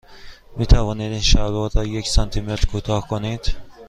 می توانید این شلوار را یک سانتی متر کوتاه کنید؟